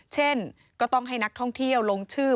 เช่นก็ต้องให้นักท่องเที่ยวลงชื่อ